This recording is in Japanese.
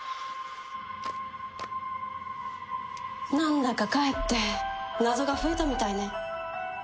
なんだかかえって謎が増えたみたいね。